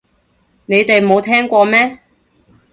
你哋冇聽過咩